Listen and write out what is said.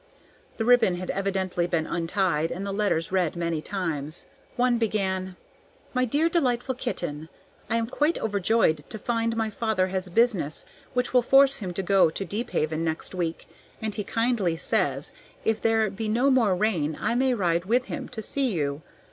The ribbon had evidently been untied and the letters read many times. One began: "My dear, delightful Kitten: I am quite overjoyed to find my father has business which will force him to go to Deephaven next week, and he kindly says if there be no more rain I may ride with him to see you.